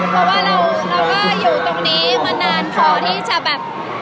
เพราะว่าเราก็อยู่ตรงนี้มานานพอที่จะแบบ